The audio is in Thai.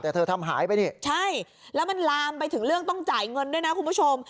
แต่เธอทำหายไปนี่ใช่แล้วมันลามไปถึงเรื่องต้องจ่ายเงินด้วยนะคุณผู้ชม